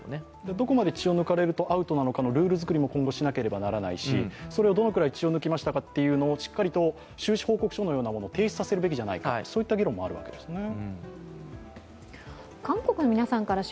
どこまで血を抜かれるとアウトなのかのルール作りを今後しなければならないし、それをどのくらい血を抜きましたというのをしっかりと収支報告書のようなものを提出させるべきではないかといった議論もあるわけですね。